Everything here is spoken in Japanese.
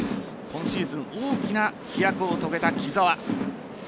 今シーズン大きな飛躍を遂げた木澤。